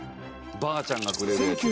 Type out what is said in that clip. ばあちゃんがくれるやつ。